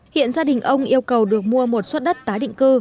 hiện gia đình ông yêu cầu được mua một suất đất tái định cư